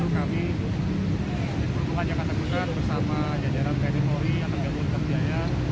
maka dari itu kami diperlukan jakarta pusat bersama jajaran kdmui akan gabungkan biaya